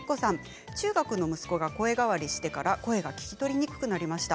中学の息子が声変わりしてから声が聞き取りにくくなりました。